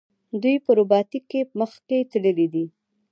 دوی په روباټیک کې مخکې تللي دي.